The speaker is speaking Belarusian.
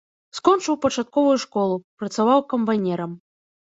Скончыў пачатковую школу, працаваў камбайнерам.